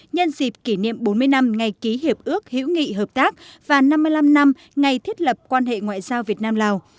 nhân dịp kỷ niệm bốn mươi năm ngày ký hiệp ước hữu nghị hợp tác và năm mươi năm năm ngày thiết lập quan hệ ngoại giao việt nam lào